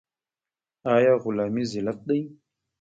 آیا غلامي ذلت دی؟